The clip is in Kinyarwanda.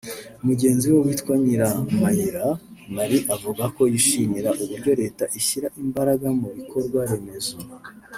Mugenzi we witwa Nyiramayira Marie avuga ko yishimira uburyo Leta ishyira imbaraga mu bikorwa remezo